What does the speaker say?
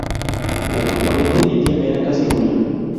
La componente india era casi nula.